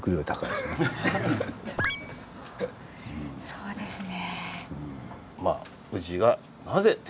そうですね。